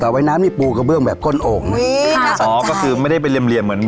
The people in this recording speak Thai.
แต่วงี้น้ำนี่ปูกระเบื้องแบบก้นโองอ๋อก็คือไม่ได้ไปเลียมเหมือนเหมือนที่